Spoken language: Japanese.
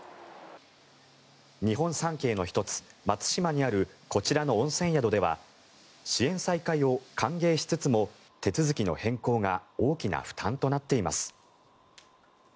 日本三景の１つ、松島にあるこちらの温泉宿では支援再開を歓迎しつつも手続きの変更が大きな負担となっています。